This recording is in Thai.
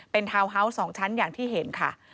เป็นทาวน์ฮาวส์๒ชั้นอย่างที่เห็นค่ะ